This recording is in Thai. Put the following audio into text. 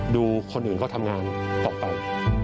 คนอื่นก็ทำงานออกไป